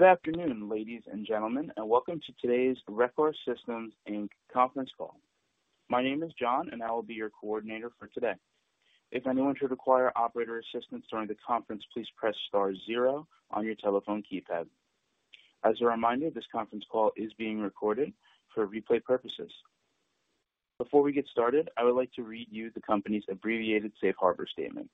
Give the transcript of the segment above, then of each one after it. Good afternoon, ladies and gentlemen, and welcome to today's Rekor Systems, Inc. conference call. My name is John and I will be your coordinator for today. If anyone should require operator assistance during the conference, please press star zero on your telephone keypad. As a reminder, this conference call is being recorded for replay purposes. Before we get started, I would like to read you the company's abbreviated safe harbor statement.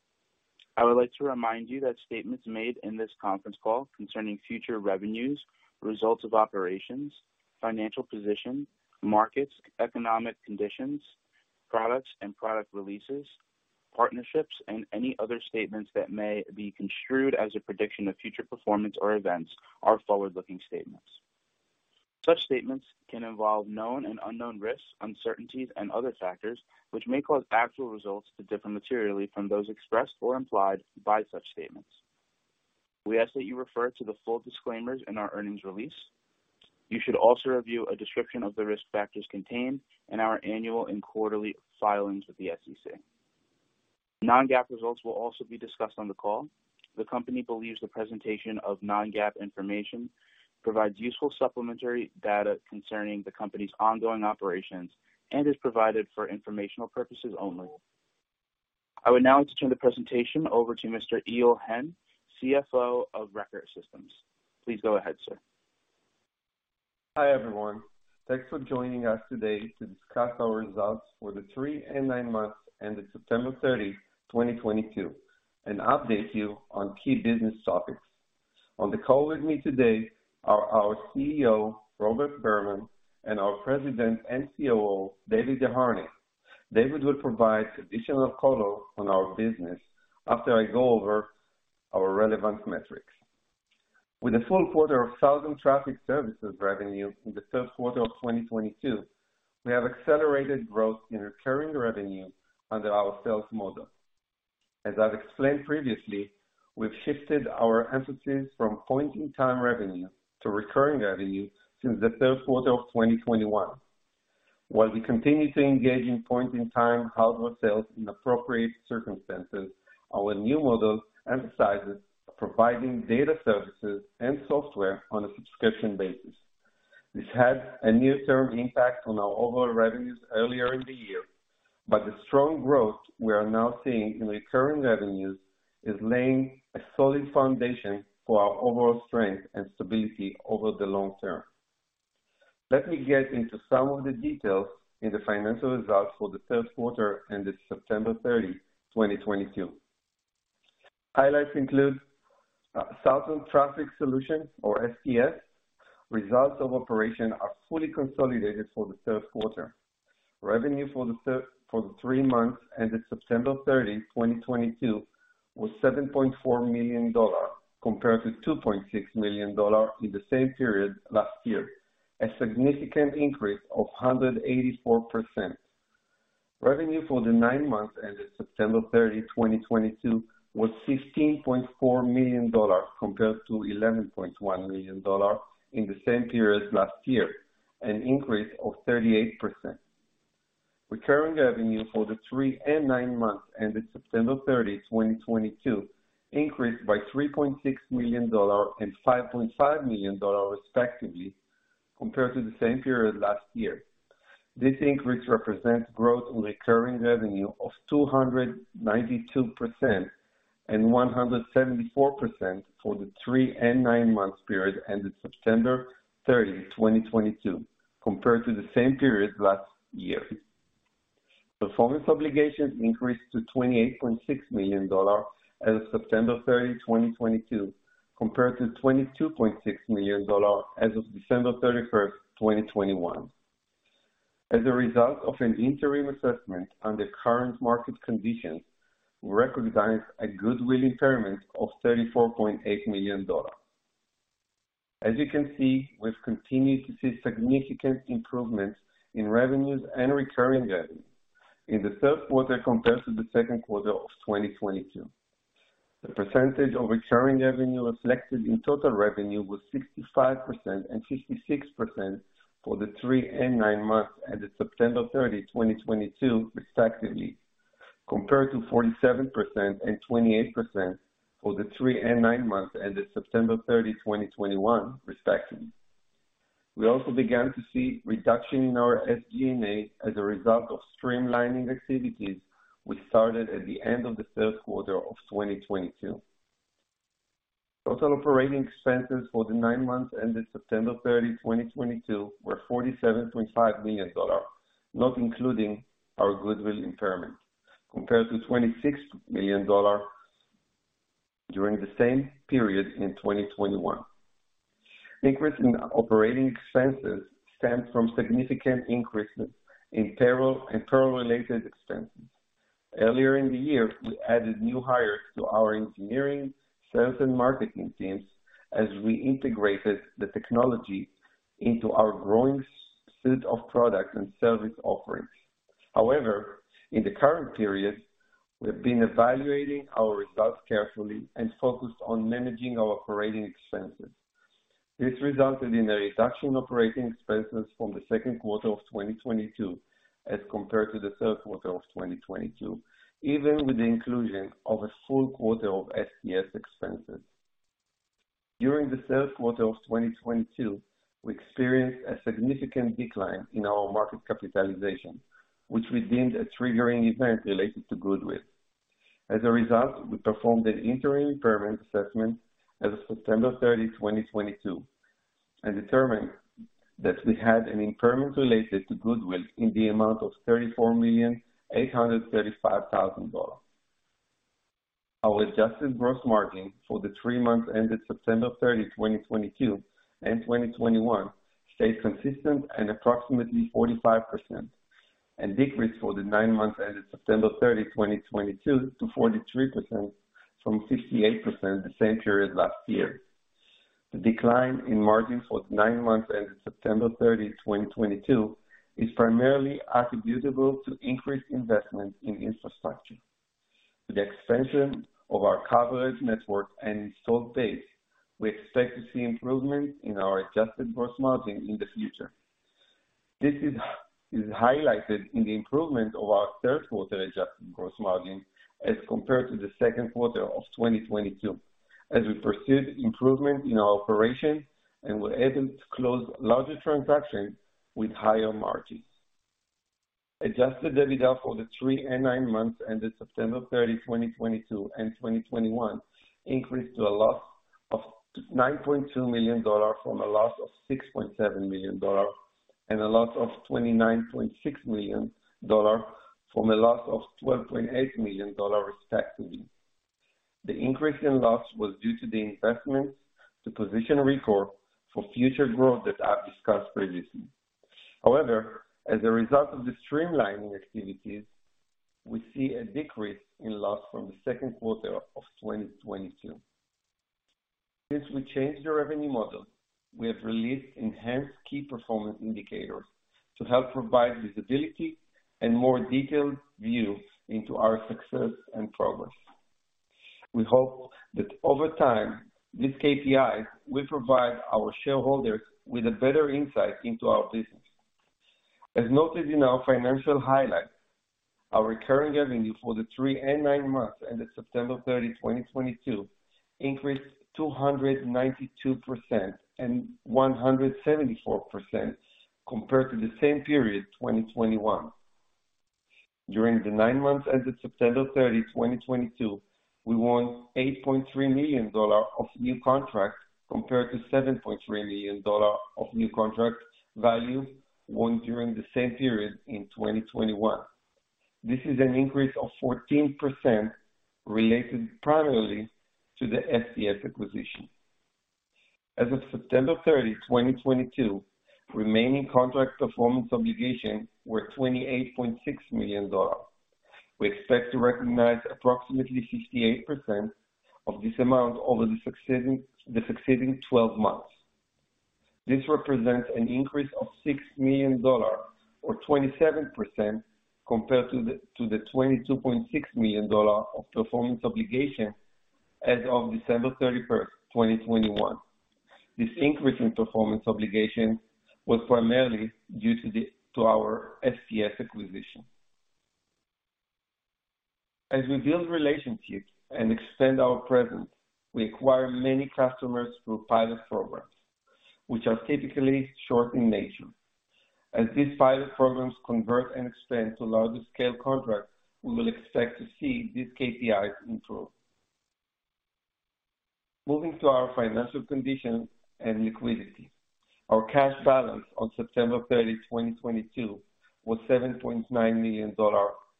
I would like to remind you that statements made in this conference call concerning future revenues, results of operations, financial position, markets, economic conditions, products and product releases, partnerships, and any other statements that may be construed as a prediction of future performance or events are forward-looking statements. Such statements can involve known and unknown risks, uncertainties, and other factors which may cause actual results to differ materially from those expressed or implied by such statements. We ask that you refer to the full disclaimers in our earnings release. You should also review a description of the risk factors contained in our annual and quarterly filings with the SEC. Non-GAAP results will also be discussed on the call. The company believes the presentation of non-GAAP information provides useful supplementary data concerning the company's ongoing operations and is provided for informational purposes only. I would now like to turn the presentation over to Mr. Eyal Hen, CFO of Rekor Systems. Please go ahead, sir. Hi, everyone. Thanks for joining us today to discuss our results for the 3 and 9 months ended September 30, 2022, and update you on key business topics. On the call with me today are our CEO, Robert Berman, and our President and COO, David Desharnais. David will provide additional color on our business after I go over our relevant metrics. With a full quarter of Southern Traffic Services revenue in the third quarter of 2022, we have accelerated growth in recurring revenue under our sales model. As I've explained previously, we've shifted our emphasis from point-in-time revenue to recurring revenue since the third quarter of 2021. While we continue to engage in point-in-time hardware sales in appropriate circumstances, our new model emphasizes providing data services and software on a subscription basis. This had a near-term impact on our overall revenues earlier in the year, but the strong growth we are now seeing in recurring revenues is laying a solid foundation for our overall strength and stability over the long term. Let me get into some of the details in the financial results for the third quarter ended September 30, 2022. Highlights include Southern Traffic Services, or STS. Results of operations are fully consolidated for the third quarter. Revenue for the 3 months ended September 30, 2022 was $7.4 million compared to $2.6 million in the same period last year, a significant increase of 184%. Revenue for the 9 months ended September 30, 2022 was $15.4 million compared to $11.1 million in the same period last year, an increase of 38%. Recurring revenue for the 3 and 9 months ended September 30, 2022 increased by $3.6 million and $5.5 million respectively, compared to the same period last year. This increase represents growth in recurring revenue of 292% and 174% for the 3 and 9 month period ended September 30, 2022, compared to the same period last year. Performance obligations increased to $28.6 million as of September 30, 2022, compared to $22.6 million as of December 31, 2021. As a result of an interim assessment on the current market conditions, we recognized a goodwill impairment of $34.8 million. As you can see, we've continued to see significant improvements in revenues and recurring revenues in the third quarter compared to the second quarter of 2022. The percentage of recurring revenue reflected in total revenue was 65% and 56% for the 3 and 9 months ended September 30, 2022 respectively, compared to 47% and 28% for the 3 and 9 months ended September 30, 2021 respectively. We also began to see reduction in our SG&A as a result of streamlining activities we started at the end of the third quarter of 2022. Total operating expenses for the 9 months ended September 30, 2022 were $47.5 million, not including our goodwill impairment, compared to $26 million during the same period in 2021. Increase in operating expenses stemmed from significant increases in payroll and payroll-related expenses. Earlier in the year, we added new hires to our engineering, sales, and marketing teams as we integrated the technology into our growing suite of products and service offerings. However, in the current period, we have been evaluating our results carefully and focused on managing our operating expenses. This resulted in a reduction in operating expenses from the second quarter of 2022 as compared to the third quarter of 2022, even with the inclusion of a full quarter of STS expenses. During the third quarter of 2022, we experienced a significant decline in our market capitalization, which we deemed a triggering event related to goodwill. As a result, we performed an interim impairment assessment as of September 30, 2022, and determined that we had an impairment related to goodwill in the amount of $34,835,000. Our adjusted gross margin for the 3 months ended September 30, 2022 and 2021 stayed consistent at approximately 45% and decreased for the 9 months ended September 30, 2022 to 43% from 58% the same period last year. The decline in margin for the 9 months ended September 30, 2022 is primarily attributable to increased investment in infrastructure. With the expansion of our coverage network and installed base, we expect to see improvements in our adjusted gross margin in the future. This is highlighted in the improvement of our third quarter adjusted gross margin as compared to the second quarter of 2022, as we pursued improvement in our operations and were able to close larger transactions with higher margins. Adjusted EBITDA for the 3 and 9 months ended September 30, 2022 and 2021 increased to a loss of $9.2 million from a loss of $6.7 million, and a loss of $29.6 million from a loss of $12.8 million, respectively. The increase in loss was due to the investments to position Rekor for future growth that I've discussed previously. However, as a result of the streamlining activities, we see a decrease in loss from the second quarter of 2022. Since we changed the revenue model, we have released enhanced key performance indicators to help provide visibility and more detailed view into our success and progress. We hope that over time, these KPIs will provide our shareholders with a better insight into our business. As noted in our financial highlights, our recurring revenue for the 3 and 9 months ended September 30, 2022 increased 292% and 174% compared to the same period, 2021. During the 9 months ended September 30, 2022, we won $8.3 million of new contracts compared to $7.3 million of new contract value won during the same period in 2021. This is an increase of 14% related primarily to the STS acquisition. As of September 30, 2022, remaining contract performance obligations were $28.6 million. We expect to recognize approximately 68% of this amount over the succeeding 12 months. This represents an increase of $6 million or 27% compared to the $22.6 million of performance obligations as of December 31st, 2021. This increase in performance obligations was primarily due to our STS acquisition. As we build relationships and extend our presence, we acquire many customers through pilot programs, which are typically short in nature. As these pilot programs convert and expand to larger scale contracts, we will expect to see these KPIs improve. Moving to our financial condition and liquidity. Our cash balance on September 30, 2022 was $7.9 million,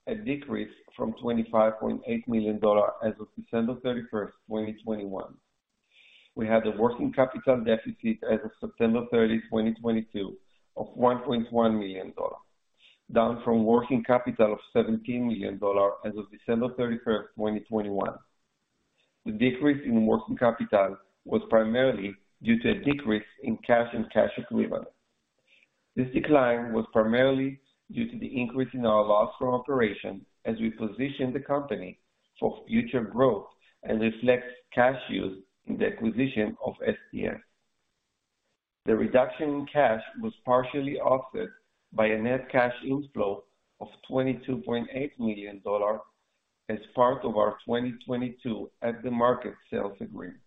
a decrease from $25.8 million as of December 31, 2021. We had a working capital deficit as of September 30, 2022 of $1.1 million, down from working capital of $17 million as of December 31, 2021. The decrease in working capital was primarily due to a decrease in cash and cash equivalents. This decline was primarily due to the increase in our loss from operations as we position the company for future growth and reflects cash use in the acquisition of STS. The reduction in cash was partially offset by a net cash inflow of $22.8 million as part of our 2022 at-the-market sales agreement.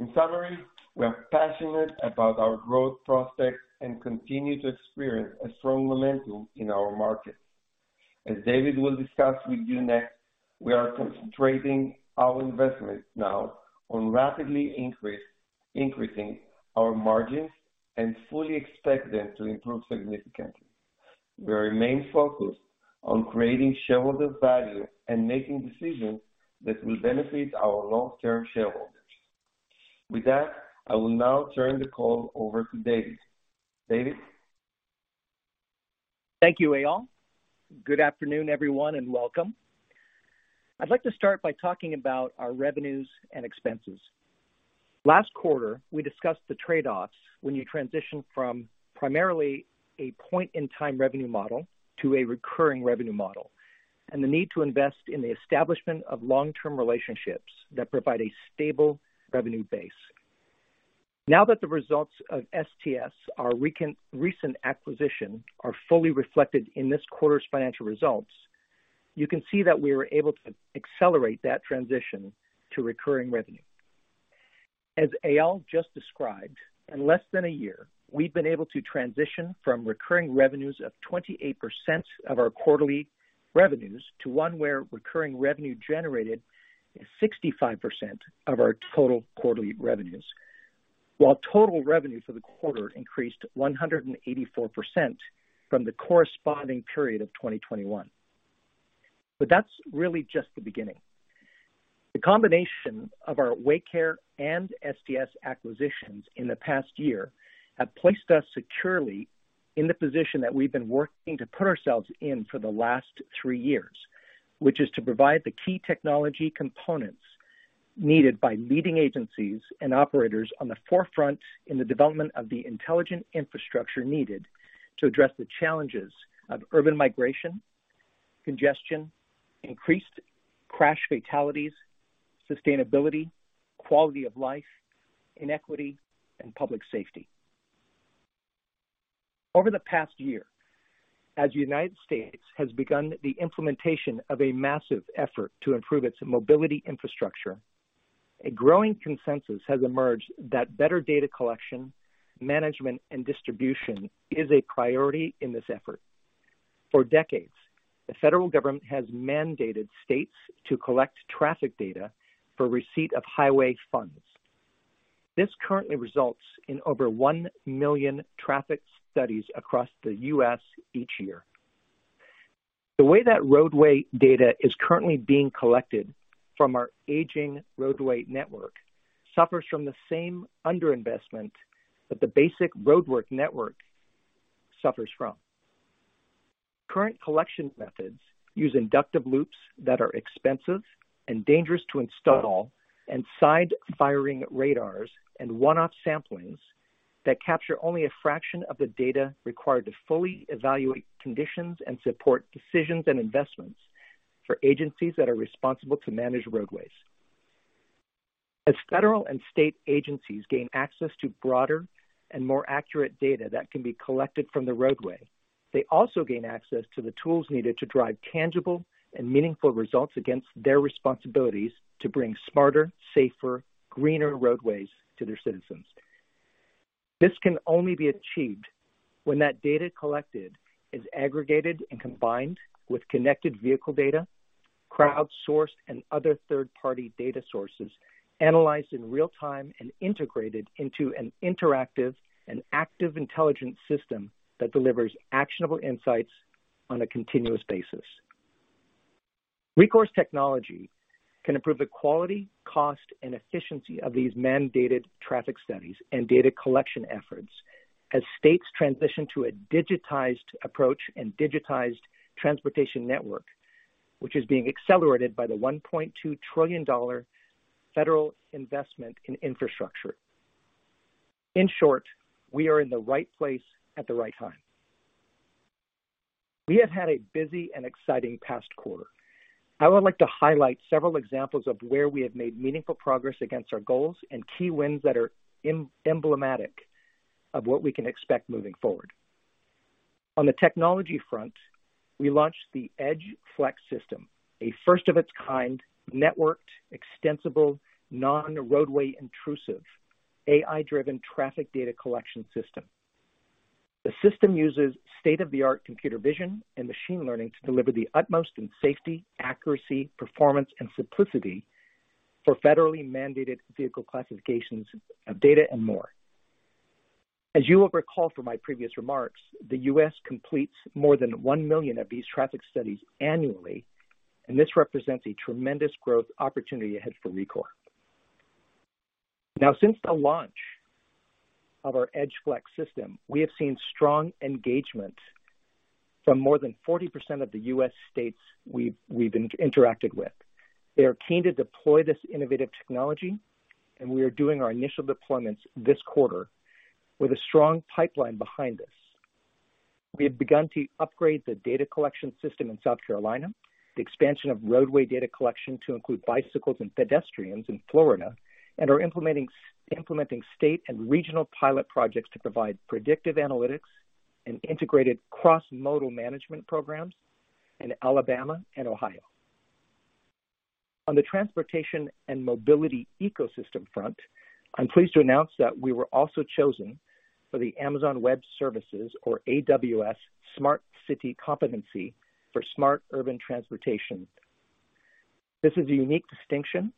In summary, we are passionate about our growth prospects and continue to experience a strong momentum in our markets. As David will discuss with you next, we are concentrating our investments now on increasing our margins and fully expect them to improve significantly. We remain focused on creating shareholder value and making decisions that will benefit our long-term shareholders. With that, I will now turn the call over to David. David? Thank you, Eyal. Good afternoon, everyone, and welcome. I'd like to start by talking about our revenues and expenses. Last quarter, we discussed the trade-offs when you transition from primarily a point-in-time revenue model to a recurring revenue model, and the need to invest in the establishment of long-term relationships that provide a stable revenue base. Now that the results of STS, our recent acquisition, are fully reflected in this quarter's financial results, you can see that we were able to accelerate that transition to recurring revenue. As Eyal just described, in less than a year, we've been able to transition from recurring revenues of 28% of our quarterly revenues to one where recurring revenue generated is 65% of our total quarterly revenues, while total revenue for the quarter increased 184% from the corresponding period of 2021. That's really just the beginning. The combination of our Waycare and STS acquisitions in the past year have placed us securely in the position that we've been working to put ourselves in for the last 3 years, which is to provide the key technology components needed by leading agencies and operators on the forefront in the development of the intelligent infrastructure needed to address the challenges of urban migration, congestion, increased crash fatalities, sustainability, quality of life, inequity, and public safety. Over the past year, as the United States has begun the implementation of a massive effort to improve its mobility infrastructure, a growing consensus has emerged that better data collection, management, and distribution is a priority in this effort. For decades, the federal government has mandated states to collect traffic data for receipt of highway funds. This currently results in over 1 million traffic studies across the U.S. each year. The way that roadway data is currently being collected from our aging roadway network suffers from the same underinvestment that the basic roadwork network suffers from. Current collection methods use inductive loops that are expensive and dangerous to install, and side-firing radars and one-off samplings that capture only a fraction of the data required to fully evaluate conditions and support decisions and investments for agencies that are responsible to manage roadways. As federal and state agencies gain access to broader and more accurate data that can be collected from the roadway, they also gain access to the tools needed to drive tangible and meaningful results against their responsibilities to bring smarter, safer, greener roadways to their citizens. This can only be achieved when that data collected is aggregated and combined with connected vehicle data, crowdsourced and other third-party data sources analyzed in real time and integrated into an interactive and active intelligence system that delivers actionable insights on a continuous basis. Rekor's technology can improve the quality, cost, and efficiency of these mandated traffic studies and data collection efforts as states transition to a digitized approach and digitized transportation network, which is being accelerated by the $1.2 trillion federal investment in infrastructure. In short, we are in the right place at the right time. We have had a busy and exciting past quarter. I would like to highlight several examples of where we have made meaningful progress against our goals and key wins that are emblematic of what we can expect moving forward. On the technology front, we launched the Edge Flex system, a first of its kind, networked, extensible, non-roadway intrusive, AI-driven traffic data collection system. The system uses state-of-the-art computer vision and machine learning to deliver the utmost in safety, accuracy, performance, and simplicity for federally mandated vehicle classifications of data and more. As you will recall from my previous remarks, the U.S. completes more than 1 million of these traffic studies annually, and this represents a tremendous growth opportunity ahead for Rekor. Now, since the launch of our Edge Flex system, we have seen strong engagement from more than 40% of the U.S. states we've interacted with. They are keen to deploy this innovative technology, and we are doing our initial deployments this quarter with a strong pipeline behind us. We have begun to upgrade the data collection system in South Carolina, the expansion of roadway data collection to include bicycles and pedestrians in Florida, and are implementing implementing state and regional pilot projects to provide predictive analytics and integrated cross-modal management programs in Alabama and Ohio. On the transportation and mobility ecosystem front, I'm pleased to announce that we were also chosen for the Amazon Web Services, or AWS, Smart City Competency for smart urban transportation. This is a unique distinction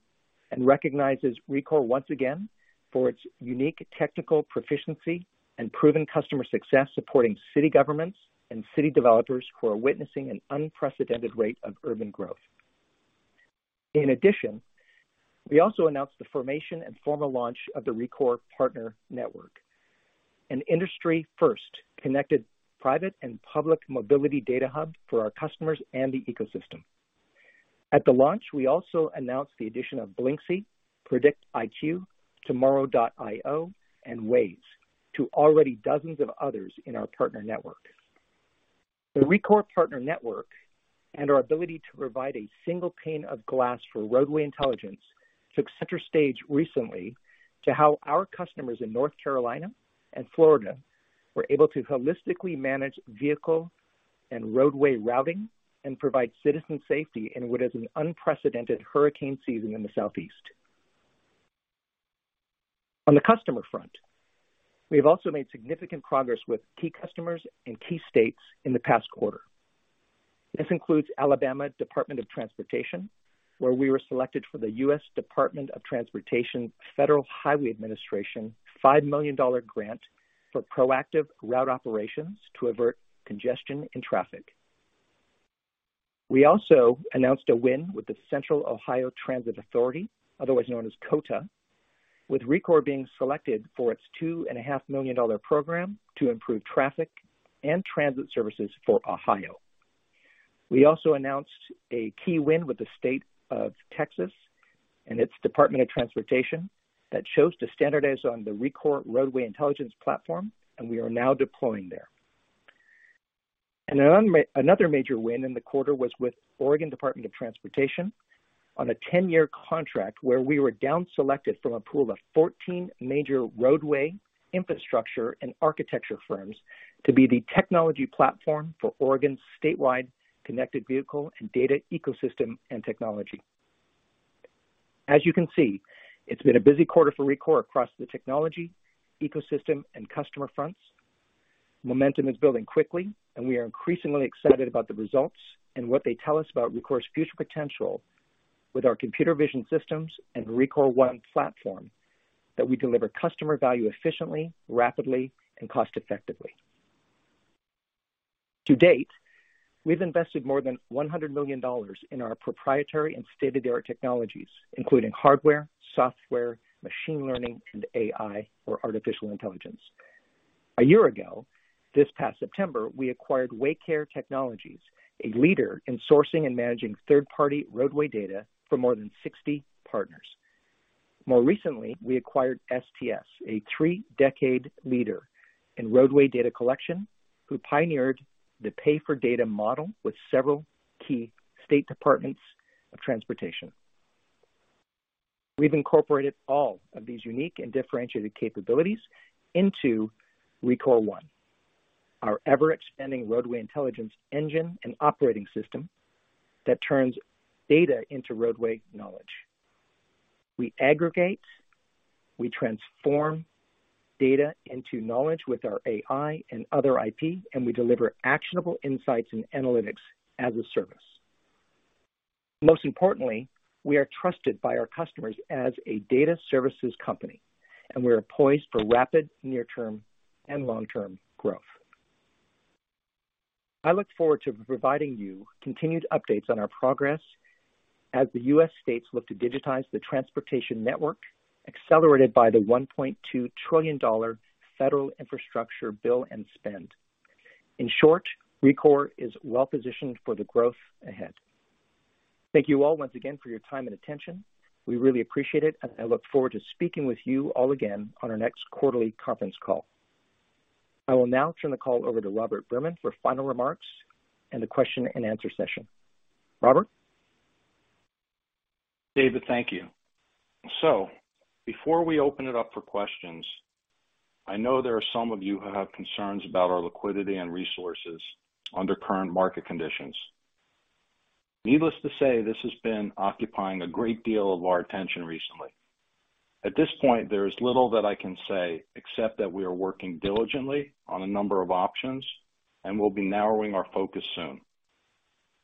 and recognizes Rekor once again for its unique technical proficiency and proven customer success supporting city governments and city developers who are witnessing an unprecedented rate of urban growth. In addition, we also announced the formation and formal launch of the Rekor Partner Network, an industry-first connected private and public mobility data hub for our customers and the ecosystem. At the launch, we also announced the addition of Blyncsy, PredictHQ, Tomorrow.io, and Waze to already dozens of others in our partner network. The Rekor Partner Network and our ability to provide a single pane of glass for roadway intelligence took center stage recently to how our customers in North Carolina and Florida were able to holistically manage vehicle and roadway routing and provide citizen safety in what is an unprecedented hurricane season in the Southeast. On the customer front, we have also made significant progress with key customers in key states in the past quarter. This includes Alabama Department of Transportation, where we were selected for the U.S. Department of Transportation Federal Highway Administration $5 million grant for proactive route operations to avert congestion and traffic. We also announced a win with the Central Ohio Transit Authority, otherwise known as COTA, with Rekor being selected for its $2.5 million program to improve traffic and transit services for Ohio. We also announced a key win with the state of Texas and its Department of Transportation that chose to standardize on the Rekor roadway intelligence platform, and we are now deploying there. Another major win in the quarter was with Oregon Department of Transportation on a 10-year contract where we were down selected from a pool of 14 major roadway infrastructure and architecture firms to be the technology platform for Oregon's statewide connected vehicle and data ecosystem and technology. As you can see, it's been a busy quarter for Rekor across the technology, ecosystem, and customer fronts. Momentum is building quickly, and we are increasingly excited about the results and what they tell us about Rekor's future potential with our computer vision systems and Rekor One platform that we deliver customer value efficiently, rapidly, and cost-effectively. To date, we've invested more than $100 million in our proprietary and state-of-the-art technologies, including hardware, software, machine learning, and AI or artificial intelligence. A year ago, this past September, we acquired Waycare Technologies, a leader in sourcing and managing third-party roadway data for more than 60 partners. More recently, we acquired STS, a 3 decade leader in roadway data collection, who pioneered the pay-for-data model with several key state departments of transportation. We've incorporated all of these unique and differentiated capabilities into Rekor One, our ever-expanding roadway intelligence engine and operating system that turns data into roadway knowledge. We aggregate, we transform data into knowledge with our AI and other IP, and we deliver actionable insights and analytics as a service. Most importantly, we are trusted by our customers as a data services company, and we are poised for rapid near-term and long-term growth. I look forward to providing you continued updates on our progress as the U.S. states look to digitize the transportation network accelerated by the $1.2 trillion federal infrastructure bill and spend. In short, Rekor is well positioned for the growth ahead. Thank you all once again for your time and attention. We really appreciate it, and I look forward to speaking with you all again on our next quarterly conference call. I will now turn the call over to Robert Berman for final remarks and the question and answer session. Robert? David, thank you. Before we open it up for questions, I know there are some of you who have concerns about our liquidity and resources under current market conditions. Needless to say, this has been occupying a great deal of our attention recently. At this point, there is little that I can say except that we are working diligently on a number of options, and we'll be narrowing our focus soon.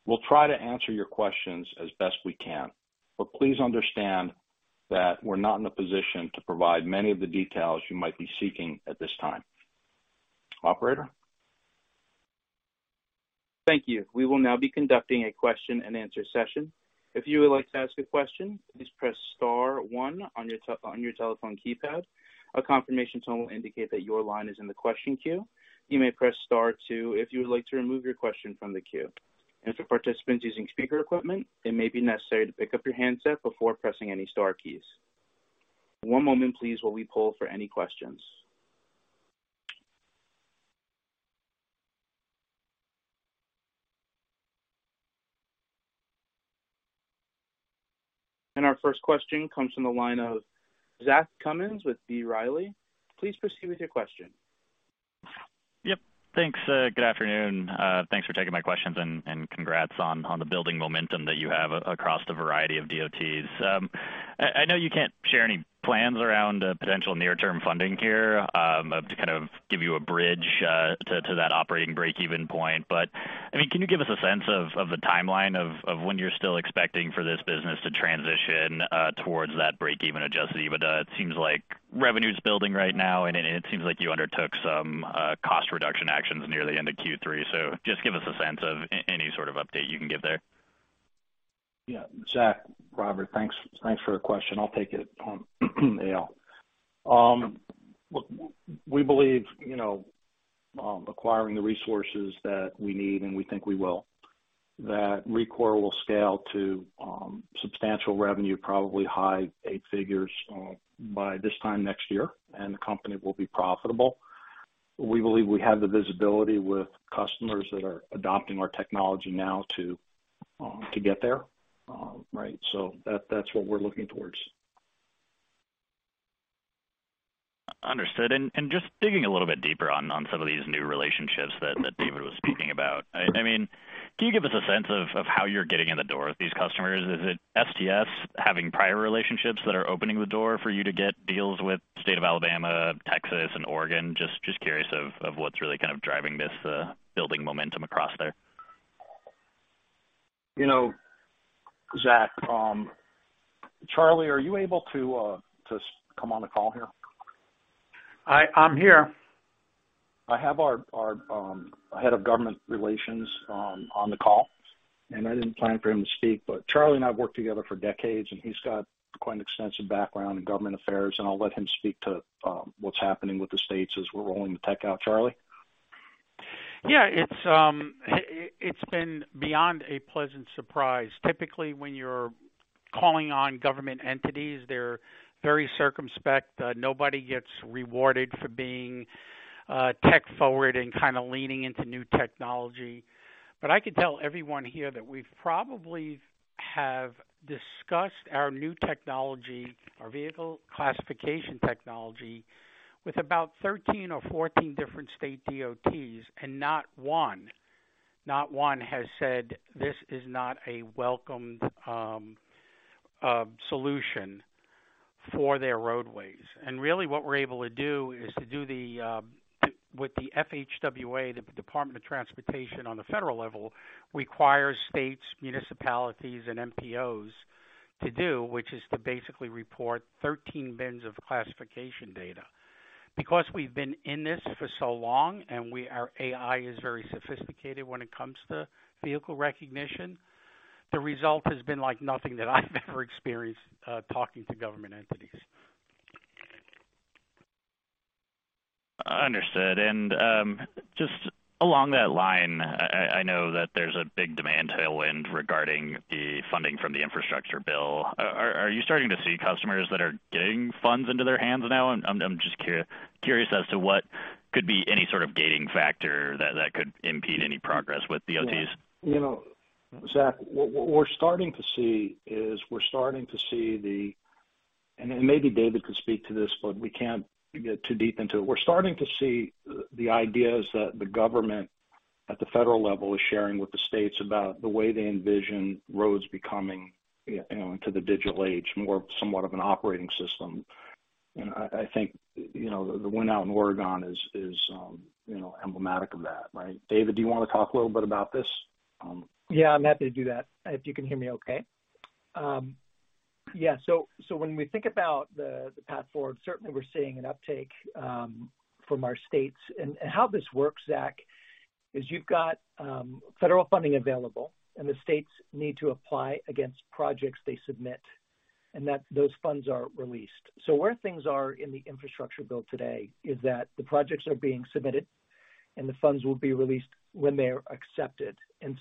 We'll try to answer your questions as best we can, but please understand that we're not in a position to provide many of the details you might be seeking at this time. Operator? Thank you. We will now be conducting a question-and-answer session. If you would like to ask a question, please press star one on your telephone keypad. A confirmation tone will indicate that your line is in the question queue. You may press star two if you would like to remove your question from the queue. For participants using speaker equipment, it may be necessary to pick up your handset before pressing any star keys. One moment please, while we poll for any questions. Our first question comes from the line of Zach Cummins with B. Riley. Please proceed with your question. Yep. Thanks. Good afternoon. Thanks for taking my questions, and congrats on the building momentum that you have across the variety of DOTs. I know you can't share any plans around potential near-term funding here to kind of give you a bridge to that operating breakeven point. I mean, can you give us a sense of the timeline of when you're still expecting for this business to transition towards that breakeven adjusted EBITDA? It seems like revenue's building right now, and it seems like you undertook some cost reduction actions near the end of Q3. Just give us a sense of any sort of update you can give there. Yeah. Zach, Robert, thanks. Thanks for the question. I'll take it. Look, we believe, you know, acquiring the resources that we need, and we think we will. That Rekor will scale to substantial revenue, probably high 8 figures, by this time next year, and the company will be profitable. We believe we have the visibility with customers that are adopting our technology now to get there. Right. That, that's what we're looking towards. Understood. Just digging a little bit deeper on some of these new relationships that David was speaking about. I mean, can you give us a sense of how you're getting in the door with these customers? Is it STS having prior relationships that are opening the door for you to get deals with State of Alabama, Texas and Oregon? Just curious of what's really kind of driving this building momentum across there. You know, Zach, Charlie, are you able to come on the call here? I'm here. I have our head of government relations on the call, and I didn't plan for him to speak, but Charlie and I have worked together for decades, and he's got quite an extensive background in government affairs. I'll let him speak to what's happening with the states as we're rolling the tech out. Charlie? Yeah, it's been beyond a pleasant surprise. Typically, when you're calling on government entities, they're very circumspect. Nobody gets rewarded for being tech forward and kinda leaning into new technology. I can tell everyone here that we probably have discussed our new technology, our vehicle classification technology, with about 13 or 14 different state DOTs, and not one has said this is not a welcomed solution for their roadways. Really what we're able to do is to do what the FHWA, the Department of Transportation on the federal level, requires states, municipalities, and MPOs to do, which is to basically report 13 bins of classification data. Because we've been in this for so long, and our AI is very sophisticated when it comes to vehicle recognition, the result has been like nothing that I've ever experienced talking to government entities. Understood. Just along that line, I know that there's a big demand tailwind regarding the funding from the infrastructure bill. Are you starting to see customers that are getting funds into their hands now? I'm just curious as to what could be any sort of gating factor that could impede any progress with DOTs. You know, Zach, what we're starting to see is maybe David could speak to this, but we can't get too deep into it. We're starting to see the ideas that the government at the federal level is sharing with the states about the way they envision roads becoming, you know, into the digital age, more somewhat of an operating system. I think, you know, the win out in Oregon is you know, emblematic of that, right? David, do you wanna talk a little bit about this? Yeah, I'm happy to do that, if you can hear me okay. When we think about the path forward, certainly we're seeing an uptake from our states. How this works, Zach, is you've got federal funding available, and the states need to apply against projects they submit, and that those funds are released. Where things are in the infrastructure bill today is that the projects are being submitted, and the funds will be released when they're accepted.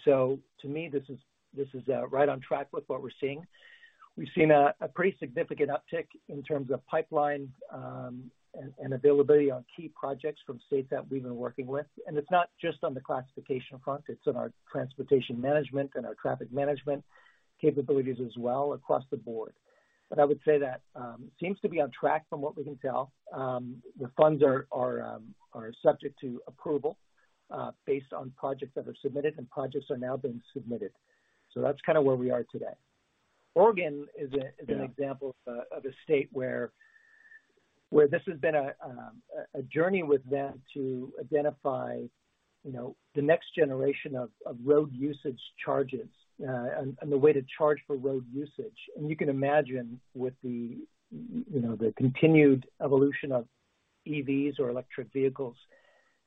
To me, this is right on track with what we're seeing. We've seen a pretty significant uptick in terms of pipeline and availability on key projects from states that we've been working with. It's not just on the classification front, it's on our transportation management and our traffic management capabilities as well across the board. I would say that seems to be on track from what we can tell. The funds are subject to approval based on projects that are submitted, and projects are now being submitted. That's kinda where we are today. Oregon is a- Yeah. This is an example of a state where this has been a journey with them to identify, you know, the next generation of road usage charges, and the way to charge for road usage. You can imagine with the, you know, the continued evolution of EVs or electric vehicles,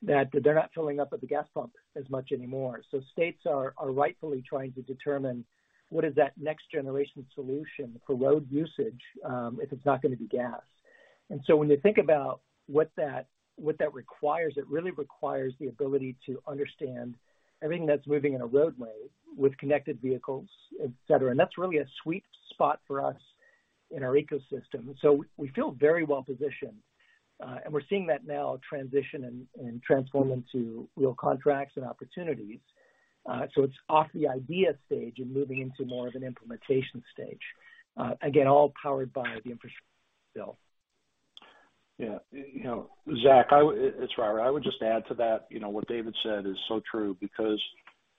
that they're not filling up at the gas pump as much anymore. States are rightfully trying to determine what is that next generation solution for road usage, if it's not gonna be gas. When you think about what that requires, it really requires the ability to understand everything that's moving in a roadway with connected vehicles, et cetera. That's really a sweet spot for us in our ecosystem. We feel very well positioned, and we're seeing that now transition and transform into real contracts and opportunities. So it's off the idea stage and moving into more of an implementation stage, again, all powered by the infrastructure bill. Yeah. You know, Zach, it's Robert, I would just add to that. You know, what David said is so true because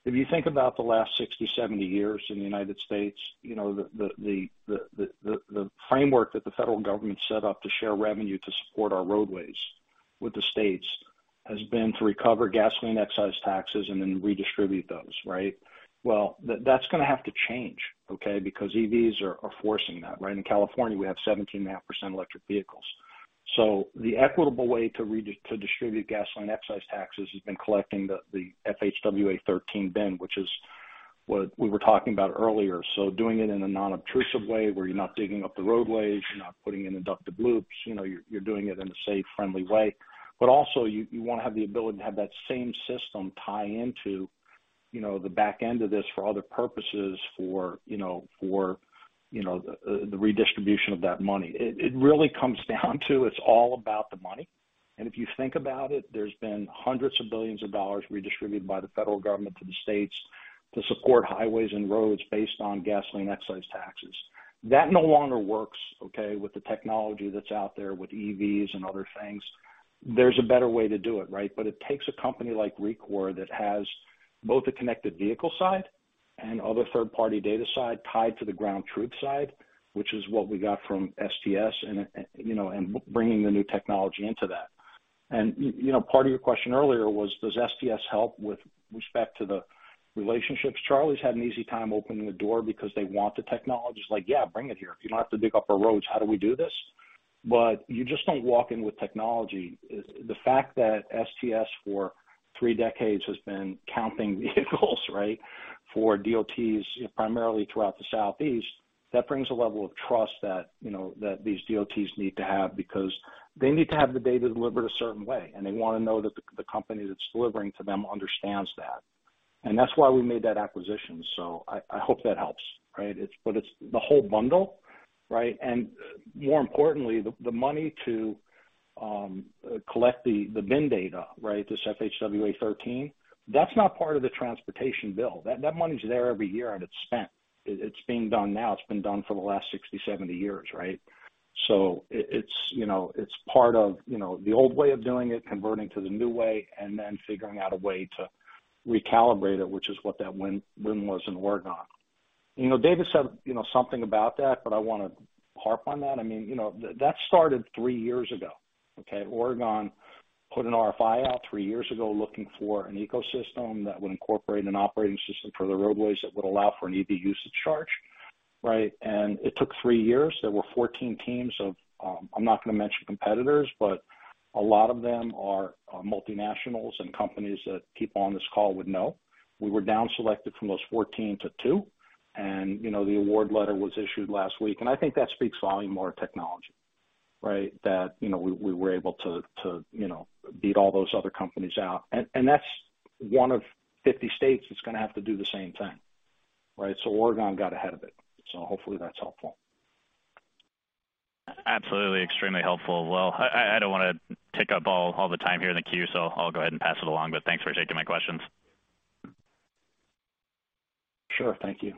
if you think about the last 60, 70 years in the United States, you know, the framework that the federal government set up to share revenue to support our roadways with the states has been to recover gasoline excise taxes and then redistribute those, right? Well, that's gonna have to change, okay? Because EVs are forcing that, right? In California, we have 17.5% electric vehicles. So the equitable way to distribute gasoline excise taxes has been collecting the FHWA 13-bin, which is what we were talking about earlier. Doing it in a non-intrusive way where you're not digging up the roadways, you're not putting in inductive loops, you know, you're doing it in a safe, friendly way. You wanna have the ability to have that same system tie into, you know, the back end of this for other purposes, you know, for the redistribution of that money. It really comes down to it's all about the money. If you think about it, there's been $hundreds of billions redistributed by the federal government to the states to support highways and roads based on gasoline excise taxes. That no longer works, okay, with the technology that's out there with EVs and other things. There's a better way to do it, right? It takes a company like Rekor that has both the connected vehicle side and other third-party data side tied to the ground truth side, which is what we got from STS and, you know, and bringing the new technology into that. You know, part of your question earlier was, does STS help with respect to the relationships? Charlie's had an easy time opening the door because they want the technology. It's like, "Yeah, bring it here. You don't have to dig up our roads. How do we do this?" You just don't walk in with technology. The fact that STS for 3 decades has been counting vehicles, right? For DOTs primarily throughout the southeast, that brings a level of trust that, you know, that these DOTs need to have because they need to have the data delivered a certain way, and they wanna know that the company that's delivering to them understands that. That's why we made that acquisition. I hope that helps, right? It's the whole bundle, right? More importantly, the money to collect the bin data, right, this FHWA 13-bin, that's not part of the transportation bill. That money's there every year and it's spent. It's being done now. It's been done for the last 60, 70 years, right? It's, you know, it's part of, you know, the old way of doing it, converting to the new way, and then figuring out a way to recalibrate it, which is what that win-win was in Oregon. You know, David said, you know, something about that, but I wanna harp on that. I mean, you know, that started 3 years ago, okay? Oregon put an RFI out 3 years ago looking for an ecosystem that would incorporate an operating system for the roadways that would allow for an EV usage charge, right? It took 3 years. There were 14 teams of, I'm not gonna mention competitors, but a lot of them are multinationals and companies that people on this call would know. We were down selected from those 14 to 2. You know, the award letter was issued last week. I think that speaks volumes of our technology, right? That, you know, we were able to you know beat all those other companies out. That's one of 50 states that's gonna have to do the same thing, right? Oregon got ahead of it. Hopefully that's helpful. Absolutely. Extremely helpful. Well, I don't wanna take up all the time here in the queue, so I'll go ahead and pass it along. Thanks for taking my questions. Sure. Thank you.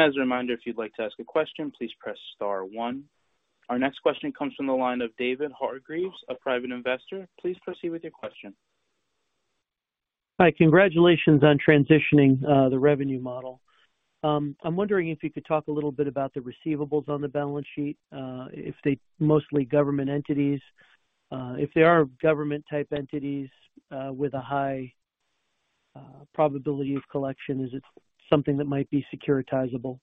As a reminder, if you'd like to ask a question, please press star one. Our next question comes from the line of David Hargreaves, a Private Investor. Please proceed with your question. Hi. Congratulations on transitioning the revenue model. I'm wondering if you could talk a little bit about the receivables on the balance sheet, if they're mostly government entities. If they are government type entities, with a high probability of collection, is it something that might be securitizable?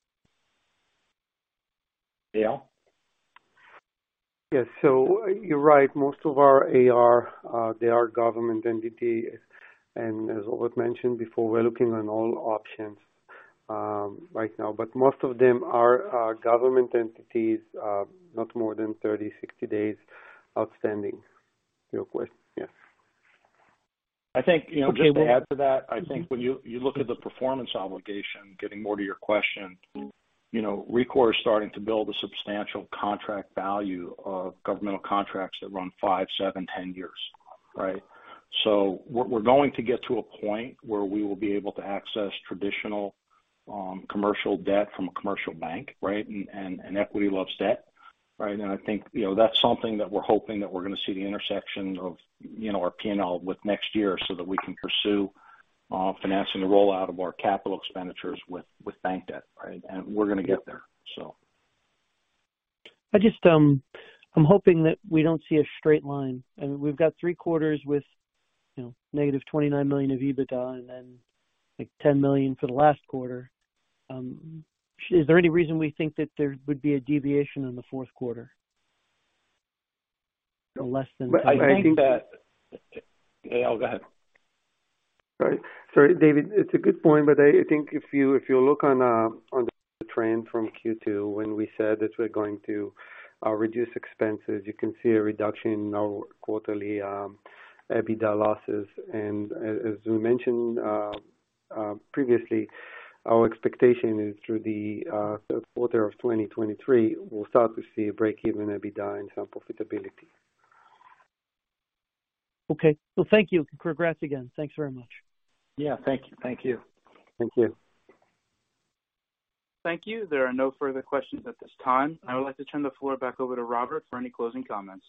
Eyal? Yes. You're right. Most of our AR are government entities. As Robert Berman mentioned before, we're looking at all options right now. Most of them are government entities, not more than 30-60 days outstanding. Yes. I think, you know, just to add to that, I think when you look at the performance obligation, getting more to your question, you know, Rekor is starting to build a substantial contract value of governmental contracts that run 5, 7, 10 years, right? We're going to get to a point where we will be able to access traditional commercial debt from a commercial bank, right? Equity loves debt, right? I think, you know, that's something that we're hoping that we're gonna see the intersection of, you know, our P&L with next year so that we can pursue financing the rollout of our capital expenditures with bank debt, right? We're gonna get there. I just, I'm hoping that we don't see a straight line. I mean, we've got 3 quarters with, you know, negative $29 million of EBITDA and then like $10 million for the last quarter. Is there any reason we think that there would be a deviation in the fourth quarter? Or less than- I think that. Eyal, go ahead. Sorry. Sorry, David. It's a good point, but I think if you look at the trend from Q2 when we said that we're going to reduce expenses, you can see a reduction in our quarterly EBITDA losses. As we mentioned previously, our expectation is through the third quarter of 2023, we'll start to see a break-even EBITDA and some profitability. Okay. Well, thank you. Congrats again. Thanks very much. Yeah. Thank you. Thank you. Thank you. Thank you. There are no further questions at this time. I would like to turn the floor back over to Robert for any closing comments.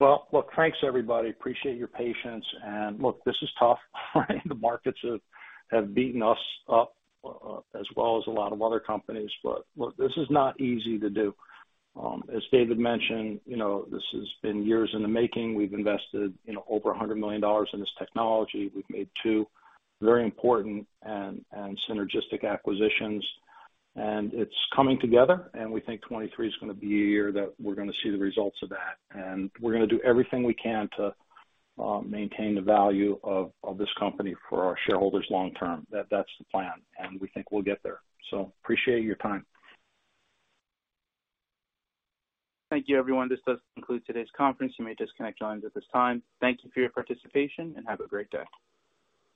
Well, look, thanks everybody. Appreciate your patience. Look, this is tough, right? The markets have beaten us up as well as a lot of other companies. Look, this is not easy to do. As David mentioned, you know, this has been years in the making. We've invested, you know, over $100 million in this technology. We've made 2 very important and synergistic acquisitions. It's coming together, and we think 2023 is gonna be a year that we're gonna see the results of that. We're gonna do everything we can to maintain the value of this company for our shareholders long term. That's the plan, and we think we'll get there. Appreciate your time. Thank you, everyone. This does conclude today's conference. You may disconnect your lines at this time. Thank you for your participation, and have a great day.